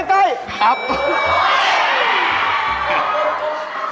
ครับ